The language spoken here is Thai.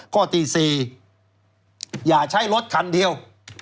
ข้อที่๔อย่าใช้รถคันเดียว